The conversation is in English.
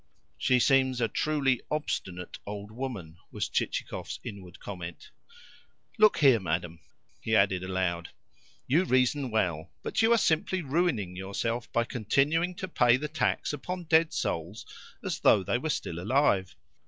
"She seems a truly obstinate old woman!" was Chichikov's inward comment. "Look here, madam," he added aloud. "You reason well, but you are simply ruining yourself by continuing to pay the tax upon dead souls as though they were still alive."